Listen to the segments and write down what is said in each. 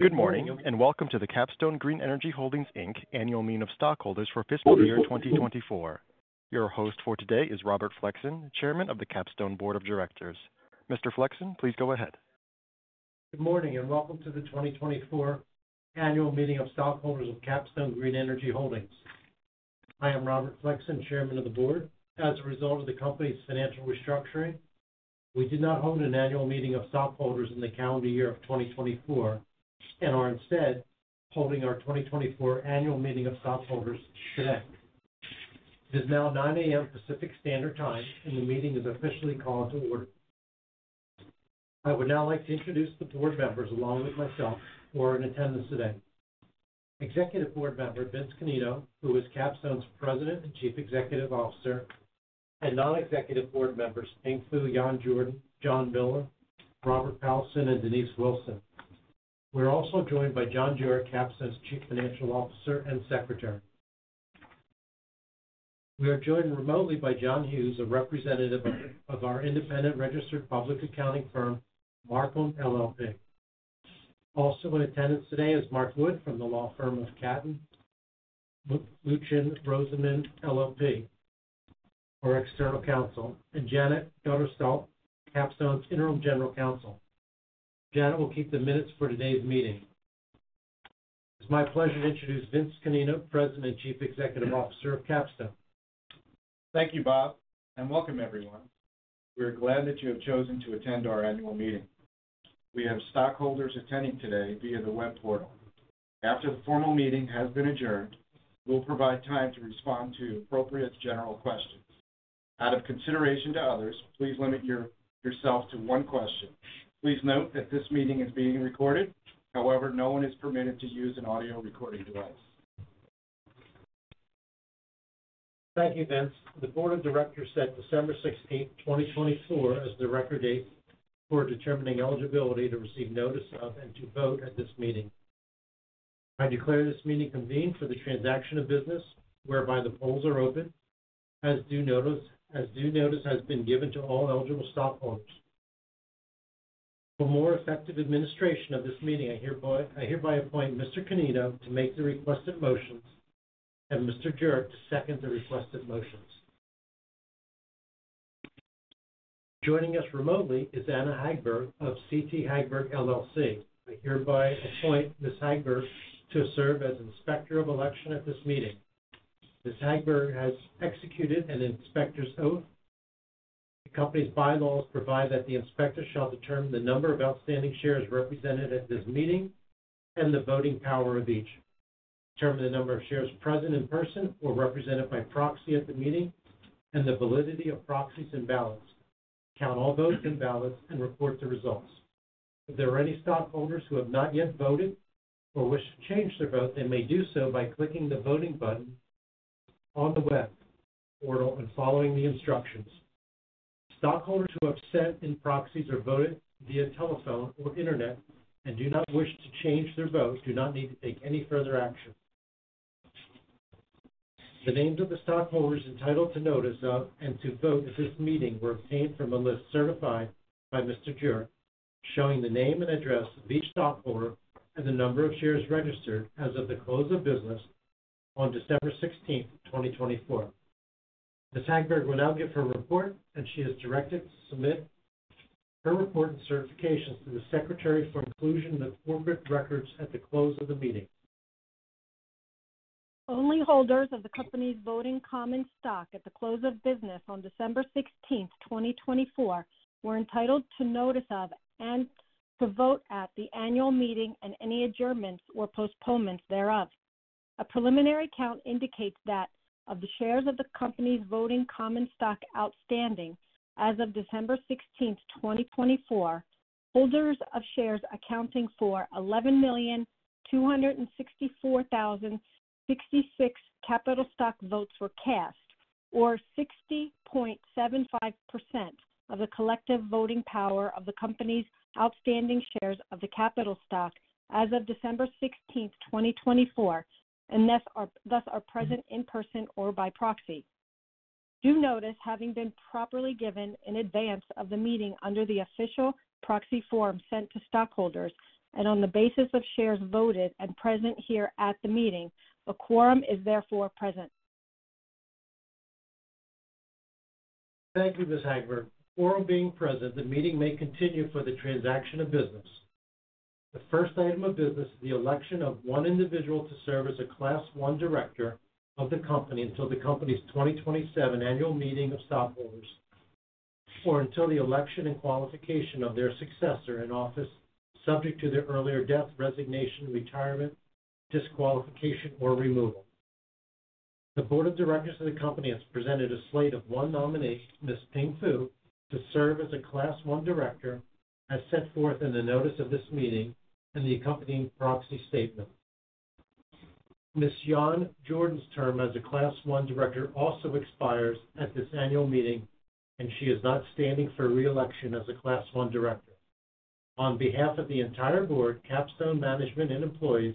Good morning and welcome to the Capstone Green Energy Holdings Annual Meeting of Stockholders for Fiscal Year 2024. Your host for today is Robert Flexon, Chairman of the Capstone Board of Directors. Mr. Flexon, please go ahead. Good morning and welcome to the 2024 Annual Meeting of Stockholders of Capstone Green Energy Holdings. I am Robert Flexon, Chairman of the Board. As a result of the company's financial restructuring, we did not hold an Annual Meeting of Stockholders in the calendar year of 2024 and are instead holding our 2024 Annual Meeting of Stockholders today. It is now 9:00 A.M. Pacific Standard Time, and the meeting is officially called to order. I would now like to introduce the board members along with myself who are in attendance today: Executive Board Member Vince Canino, who is Capstone's President and Chief Executive Officer, and non-executive board members Ping Fu, John Juric, John Miller, Robert Powelson, and Denise Wilson. We are also joined by John Juric, Capstone's Chief Financial Officer and Secretary. We are joined remotely by John Hughes, a representative of our independent registered public accounting firm, Marcum LLP. Also in attendance today is Mark Wood from the law firm of Katten Muchin Rosenman LLP, our external counsel, and Janet Duderstadt, Capstone's interim general counsel. Janet will keep the minutes for today's meeting. It's my pleasure to introduce Vince Canino, President and Chief Executive Officer of Capstone. Thank you, Bob, and welcome everyone. We are glad that you have chosen to attend our annual meeting. We have stockholders attending today via the web portal. After the formal meeting has been adjourned, we'll provide time to respond to appropriate general questions. Out of consideration to others, please limit yourself to one question. Please note that this meeting is being recorded. However, no one is permitted to use an audio recording device. Thank you, Vince. The Board of Directors set December 16, 2024, as the record date for determining eligibility to receive notice of and to vote at this meeting. I declare this meeting convened for the transaction of business whereby the polls are open, as due notice has been given to all eligible stockholders. For more effective administration of this meeting, I hereby appoint Mr. Canino to make the requested motions and Mr. Juric to second the requested motions. Joining us remotely is Anna Hagberg of CT Hagberg, LLC. I hereby appoint Ms. Hagberg to serve as Inspector of Election at this meeting. Ms. Hagberg has executed an inspector's oath. The company's bylaws provide that the inspector shall determine the number of outstanding shares represented at this meeting and the voting power of each, determine the number of shares present in person or represented by proxy at the meeting, and the validity of proxies and ballots. Count all votes and ballots and report the results. If there are any stockholders who have not yet voted or wish to change their vote, they may do so by clicking the voting button on the web portal and following the instructions. Stockholders who have sent in proxies or voted via telephone or internet and do not wish to change their vote do not need to take any further action. The names of the stockholders entitled to notice of and to vote at this meeting were obtained from a list certified by Mr. Juric, showing the name and address of each stockholder and the number of shares registered as of the close of business on December 16, 2024. Ms. Hagberg will now give her report, and she is directed to submit her report and certifications to the Secretary for inclusion in the corporate records at the close of the meeting. Only holders of the company's voting common stock at the close of business on December 16, 2024, were entitled to notice of and to vote at the annual meeting and any adjournments or postponements thereof. A preliminary count indicates that of the shares of the company's voting common stock outstanding as of December 16, 2024, holders of shares accounting for 11,264,066 capital stock votes were cast, or 60.75% of the collective voting power of the company's outstanding shares of the capital stock as of December 16, 2024, and thus are present in person or by proxy. Due notice having been properly given in advance of the meeting under the official proxy form sent to stockholders and on the basis of shares voted and present here at the meeting, a quorum is therefore present. Thank you, Ms. Hagberg. Quorum being present, the meeting may continue for the transaction of business. The first item of business is the election of one individual to serve as a Class I Director of the company until the company's 2027 Annual Meeting of Stockholders or until the election and qualification of their successor in office, subject to their earlier death, resignation, retirement, disqualification, or removal. The Board of Directors of the company has presented a slate of one nominee, Ms. Ping Fu, to serve as a Class I Director, as set forth in the notice of this meeting and the accompanying proxy statement. Ms. Yon Jorden's term as a Class I Director also expires at this annual meeting, and she is not standing for reelection as a Class I Director. On behalf of the entire board, Capstone Management and employees,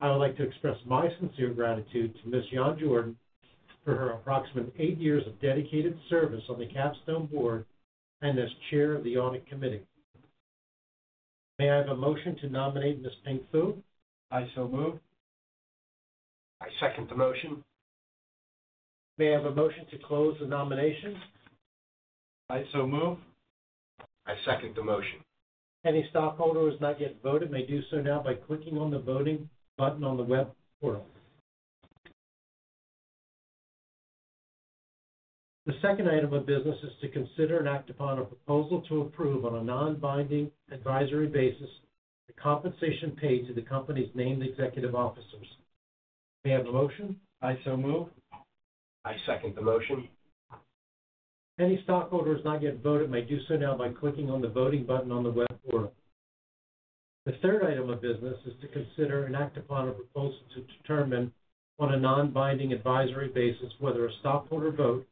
I would like to express my sincere gratitude to Ms. Yon Jorden for her approximate eight years of dedicated service on the Capstone board and as chair of the audit committee. May I have a motion to nominate Ms. Ping Fu? I so move. I second the motion. May I have a motion to close the nomination? I so move. I second the motion. Any stockholder who has not yet voted may do so now by clicking on the voting button on the web portal. The second item of business is to consider and act upon a proposal to approve on a non-binding advisory basis the compensation paid to the company's named executive officers. May I have a motion? I so move. I second the motion. Any stockholder who has not yet voted may do so now by clicking on the voting button on the web portal. The third item of business is to consider and act upon a proposal to determine on a non-binding advisory basis whether a stockholder vote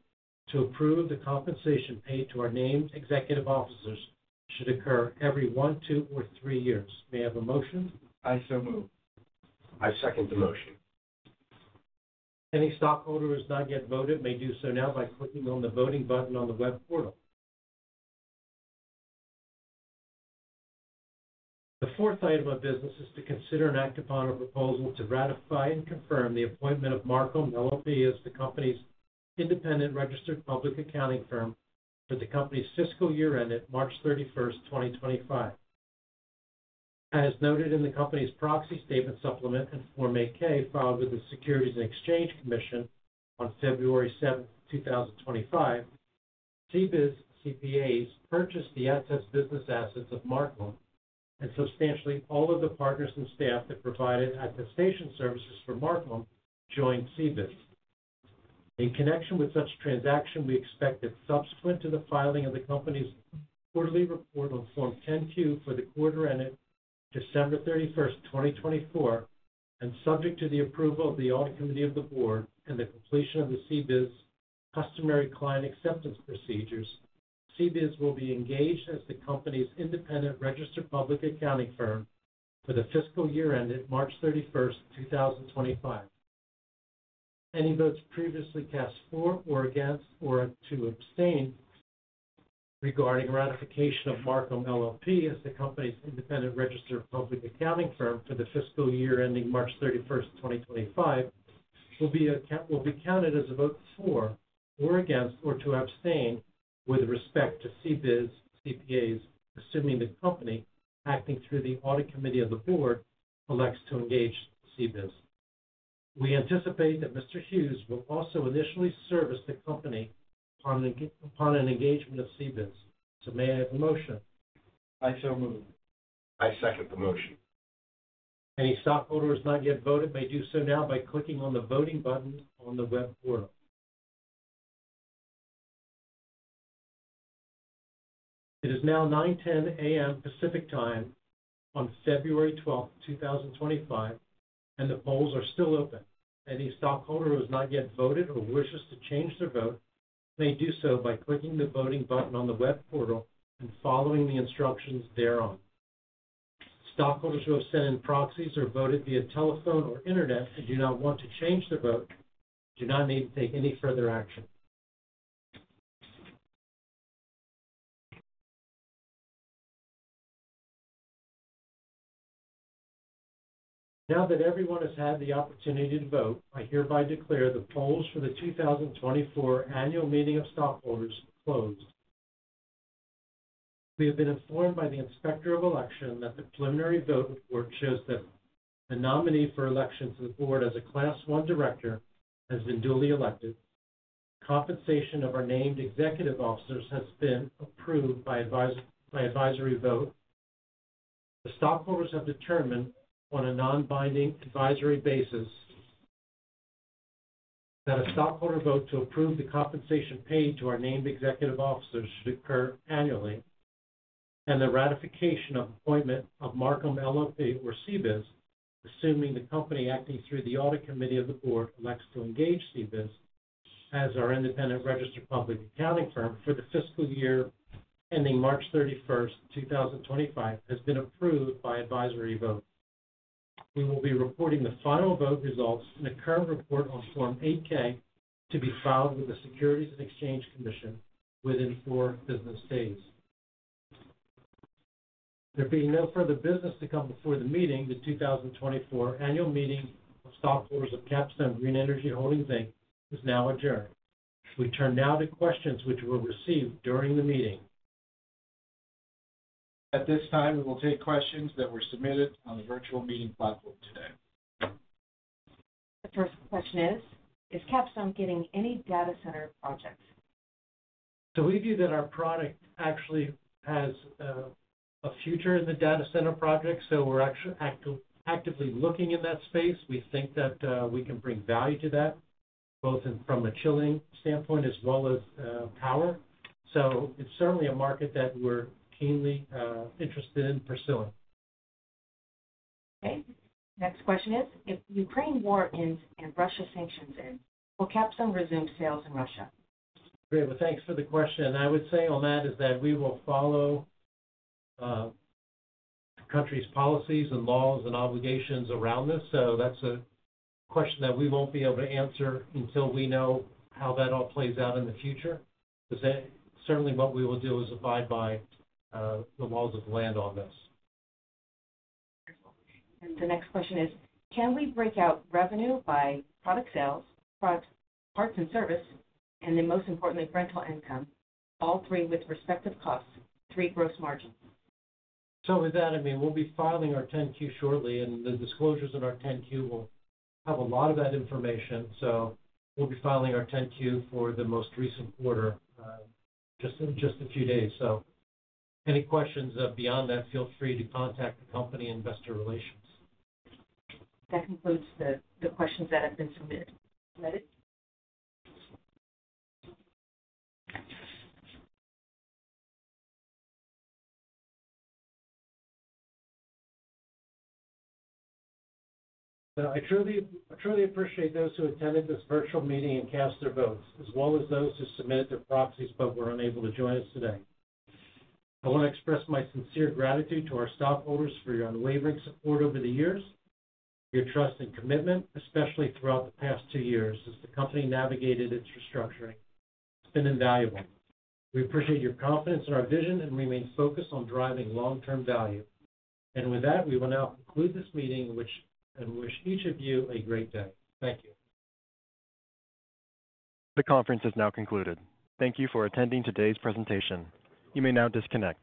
to approve the compensation paid to our named executive officers should occur every one, two, or three years. May I have a motion? I so move. I second the motion. Any stockholder who has not yet voted may do so now by clicking on the voting button on the web portal. The fourth item of business is to consider and act upon a proposal to ratify and confirm the appointment of Marcum LLP as the company's independent registered public accounting firm for the company's fiscal year ended March 31, 2025. As noted in the company's proxy statement supplement and Form 8-K filed with the Securities and Exchange Commission on February 7, 2025, CBIZ CPAs purchased the business assets of Marcum, and substantially all of the partners and staff that provided attestation services for Marcum joined CBIZ. In connection with such transaction, we expect that subsequent to the filing of the company's quarterly report on Form 10-Q for the quarter ended December 31, 2024, and subject to the approval of the Audit Committee of the Board and the completion of the CBIZ customary client acceptance procedures, CBIZ will be engaged as the company's independent registered public accounting firm for the fiscal year ended March 31, 2025. Any votes previously cast for or against or to abstain regarding ratification of Marcum LLP as the company's independent registered public accounting firm for the fiscal year ending March 31, 2025, will be counted as a vote for or against or to abstain with respect to CBIZ CPAs, assuming the company acting through the Audit Committee of the Board elects to engage CBIZ. We anticipate that Mr. Hughes will also initially service the company upon an engagement of CBIZ. May I have a motion? I so move. I second the motion. Any stockholder who has not yet voted may do so now by clicking on the voting button on the web portal. It is now 9:10 A.M. Pacific Standard Time on February 12, 2025, and the polls are still open. Any stockholder who has not yet voted or wishes to change their vote may do so by clicking the voting button on the web portal and following the instructions thereon. Stockholders who have sent in proxies or voted via telephone or internet and do not want to change their vote do not need to take any further action. Now that everyone has had the opportunity to vote, I hereby declare the polls for the 2024 Annual Meeting of Stockholders closed. We have been informed by the Inspector of Election that the preliminary vote report shows that the nominee for election to the board as a Class I Director has been duly elected. Compensation of our named executive officers has been approved by advisory vote. The stockholders have determined on a non-binding advisory basis that a stockholder vote to approve the compensation paid to our named executive officers should occur annually, and the ratification of appointment of Marcum LLP or CBIZ, assuming the company acting through the audit committee of the board elects to engage CBIZ as our independent registered public accounting firm for the fiscal year ending March 31, 2025, has been approved by advisory vote. We will be reporting the final vote results in a current report on Form 8-K to be filed with the Securities and Exchange Commission within four business days. There being no further business to come before the meeting, the 2024 Annual Meeting of Stockholders of Capstone Green Energy Holdings is now adjourned. We turn now to questions which were received during the meeting. At this time, we will take questions that were submitted on the virtual meeting platform today. The first question is, is Capstone getting any data center projects? We view that our product actually has a future in the data center project, so we're actually actively looking in that space. We think that we can bring value to that, both from a chilling standpoint as well as power. It is certainly a market that we're keenly interested in pursuing. Okay. Next question is, if Ukraine war ends and Russia sanctions end, will Capstone resume sales in Russia? Great. Thanks for the question. I would say on that is that we will follow the country's policies and laws and obligations around this. That is a question that we will not be able to answer until we know how that all plays out in the future. Certainly, what we will do is abide by the laws of the land on this. Wonderful. The next question is, can we break out revenue by product sales, product parts and service, and then most importantly, rental income, all three with respective costs, three gross margins? With that, I mean, we'll be filing our 10-Q shortly, and the disclosures in our 10-Q will have a lot of that information. We'll be filing our 10-Q for the most recent quarter in just a few days. Any questions beyond that, feel free to contact the company investor relations. That concludes the questions that have been submitted. I truly appreciate those who attended this virtual meeting and cast their votes, as well as those who submitted their proxies but were unable to join us today. I want to express my sincere gratitude to our stockholders for your unwavering support over the years, your trust and commitment, especially throughout the past two years as the company navigated its restructuring. It's been invaluable. We appreciate your confidence in our vision and remain focused on driving long-term value. With that, we will now conclude this meeting and wish each of you a great day. Thank you. The conference is now concluded. Thank you for attending today's presentation. You may now disconnect.